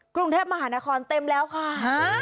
กรุงเทพมหานครเต็มแล้วค่ะ